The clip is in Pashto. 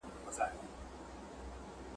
د فرهنګ او تمدن مرکز ویرژلي هرات ته! ..